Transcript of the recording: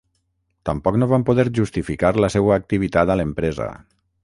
Tampoc no van poder justificar la seua activitat a l’empresa.